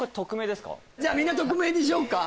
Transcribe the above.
じゃみんな匿名にしようか？